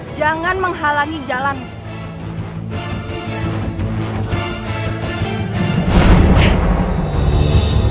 jangan menghalangi jalanmu